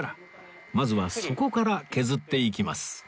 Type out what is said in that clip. まずは底から削っていきます